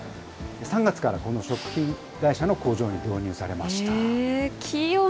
３月からこの食品会社の工場に導入されました。